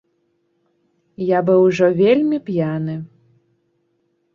Я быў ужо вельмі п'яны.